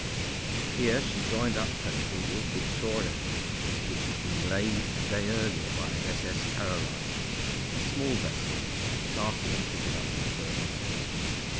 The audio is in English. Here she joined up her cable to the shore end, which had been laid a day earlier by S.S. Caroline, a small vessel chartered and fitted up for the purpose.